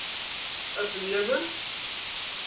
Ad ten-yamen?